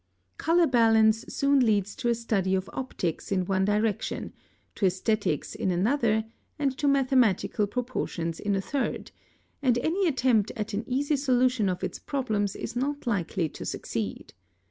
(83) Color balance soon leads to a study of optics in one direction, to æsthetics in another, and to mathematical proportions in a third, and any attempt at an easy solution of its problems is not likely to succeed.